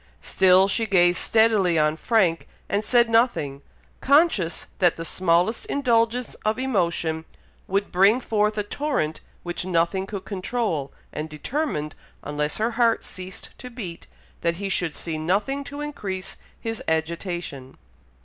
Still she gazed steadily on Frank, and said nothing, conscious that the smallest indulgence of emotion would bring forth a torrent which nothing could control, and determined, unless her heart ceased to beat, that he should see nothing to increase his agitation.